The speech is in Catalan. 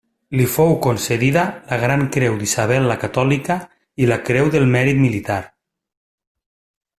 Li fou concedida la Gran Creu d'Isabel la Catòlica i la Creu del Mèrit Militar.